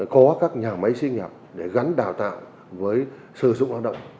có các nhà máy xây nhập để gắn đào tạo với sử dụng hoạt động